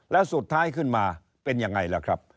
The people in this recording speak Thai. แล้วสุดท้ายขึ้นมาเป็นยังไงล่ะครับ